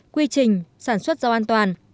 quy trình sản xuất rau an toàn